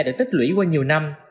đã tích lũy qua nhiều năm